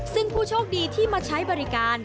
ซึ่งผู้โชคดีที่มาใช้บริการ